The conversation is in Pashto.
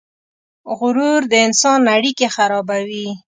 غرور د انسان اړیکې خرابوي.